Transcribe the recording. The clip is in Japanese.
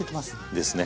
ですね。